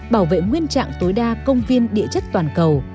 bảo vệ nguyên trạng tối đa công viên địa chất toàn cầu